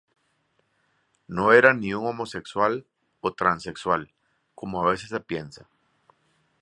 No era ni un homosexual o transexual, como a veces se piensa.